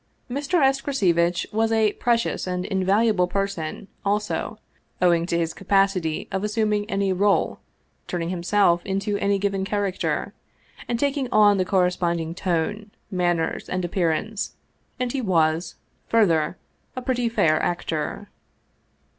Mr. Escrocevitch was a precious and invaluable person also owing to his capacity of assuming any role, turning himself into any given character, and taking on the corre , spending tone, manners, and appearance, and he was, fur ther, a pretty fair actor.